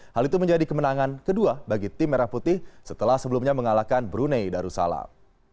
hal itu menjadi kemenangan kedua bagi tim merah putih setelah sebelumnya mengalahkan brunei darussalam